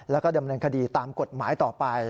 แล้วก็ดำเนินคดีตามกฎหมายต่อไป